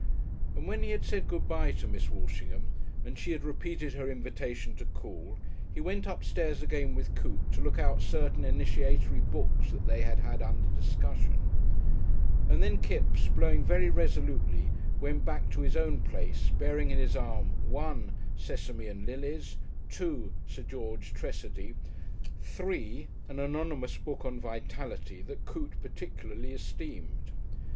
And when he had said "Good bye" to Miss Walshingham and she had repeated her invitation to call, he went upstairs again with Coote to look out certain initiatory books they had had under discussion. And then Kipps, blowing very resolutely, went back to his own place, bearing in his arm (1) Sesame and Lilies, (2) Sir George Tressady, (3) an anonymous book on "Vitality" that Coote particularly esteemed.